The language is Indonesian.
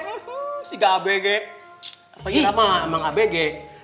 anggar banyak deh